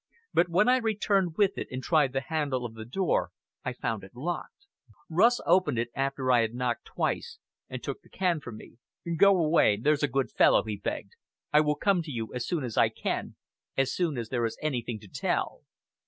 But when I returned with it and tried the handle of the door, I found it locked. Rust opened it after I had knocked twice, and took the can from me. "Go away, there's a good fellow," he begged. "I will come to you as soon as I can as soon as there is anything to tell."